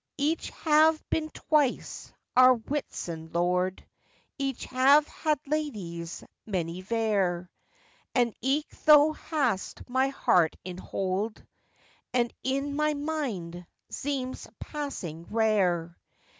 Ich have been twice our Whitson Lord, Ich have had ladies many vare; And eke thou hast my heart in hold, And in my minde zeemes passing rare.